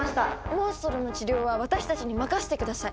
モンストロの治療は私たちに任せてください！